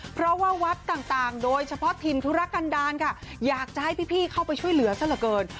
เพราะว่าวัดต่างโดยเฉพาะถิ่นธุรกันดาลค่ะอยากจะให้พี่เข้าไปช่วยเหลือซะเหลือเกิน